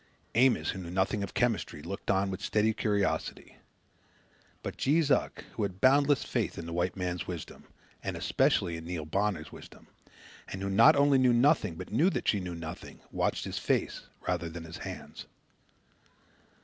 Amos, who knew nothing of chemistry, looked on with steady curiosity. But Jees Uck, who had boundless faith in the white man's wisdom, and especially in Neil Bonner's wisdom, and who not only knew nothing but knew that she knew nothing watched his face rather than his hands.